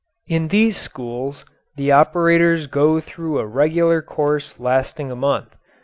In these schools the operators go through a regular course lasting a month.